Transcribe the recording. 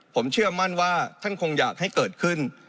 ผมเชื่อมั่นว่าท่านคงอยากให้เกิดขึ้น